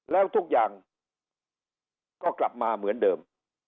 แล้วทุกอย่างก็กลับมาเหมือนเดิม